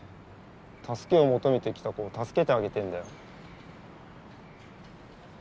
助けを求めてきた子を助けてあげてんだよ。